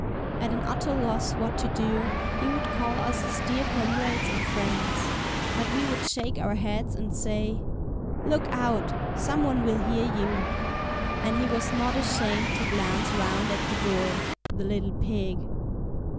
At an utter loss what to do, he would call us his dear comrades and friends. But we would shake our heads and say: "Look out! Some one will hear you!" And he was not ashamed to glance round at the door—the little pig!